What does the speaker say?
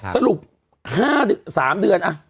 สรุป๕๓เดือน